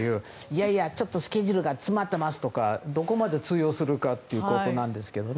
いやいや、ちょっとスケジュールが詰まってますとかどこまで通用するかということなんですけど。